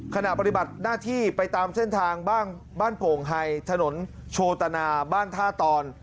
ขณะปฏิบัติหน้าที่ไปตามเส้นทางบ้านโป่งไฮถนนโชตนาบ้านท่าตอน